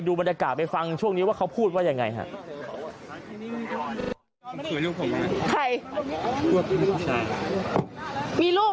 บรรยากาศไปฟังช่วงนี้ว่าเขาพูดว่ายังไงฮะ